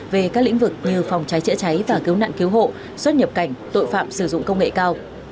về các lĩnh vực như phòng cháy chữa cháy và cứu nạn cứu hộ xuất nhập cảnh tội phạm sử dụng công nghệ cao